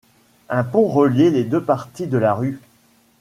Un pont reliait les deux parties de la rue.